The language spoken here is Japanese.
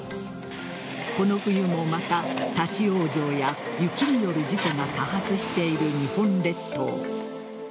この冬もまた、立ち往生や雪による事故が多発している日本列島。